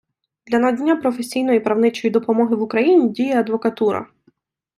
Для надання професійної правничої допомоги в Україні діє адвокатура.